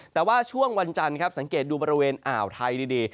แต่ว่าช่วงวันจันทร์ครับสังเกตดูบริเวณอ่าวไทยดี